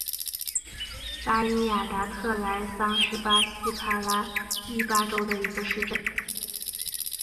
巴伊亚达特莱桑是巴西帕拉伊巴州的一个市镇。